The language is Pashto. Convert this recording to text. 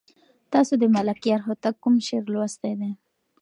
تاسو د ملکیار هوتک کوم شعر لوستی دی؟